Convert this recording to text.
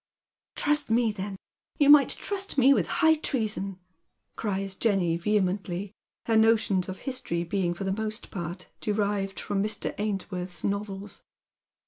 "Trust me, then. You might trust me with high treason," eries Jenny, vehemently, her notions of history being for the most part derived fi om Mr. Ainsworth's novels.